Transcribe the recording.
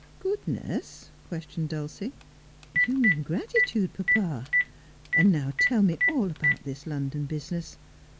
' Goodness 1 ' questioned Dulcie ;' you mean gratitude, papa. And now tell me all about this London business.